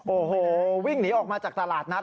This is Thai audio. โอ้โหวิ่งหนีออกมาจากตลาดนัด